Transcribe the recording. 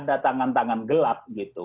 ada tangan tangan gelap